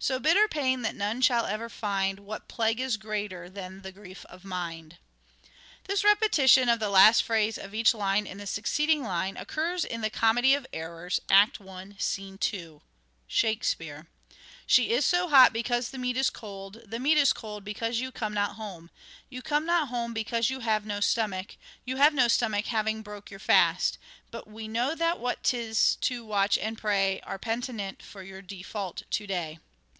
So bitter pain that none shall ever find What plague is greater than the grief of mind? " This repetition of the last phrase of each line in the succeeding line occurs in " The Comedy of Errors " (I. 2) : Shakespeare : 11 She is so hot because the meat is cold ; The meat is cold because you come not home ; You come not home because you have no stomach ; You have no stomach having broke your fast ; But we that know what 'tis to watch and pray Are penitent for your default to day."